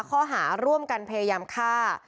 ข้อหาร่วมกันพยายามฆ่า